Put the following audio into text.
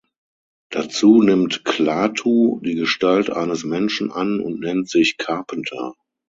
Dazu nimmt "Klaatu" die Gestalt eines Menschen an und nennt sich „Carpenter“.